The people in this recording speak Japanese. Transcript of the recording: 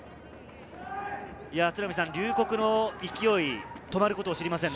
龍谷の勢い、止まることを知りませんね。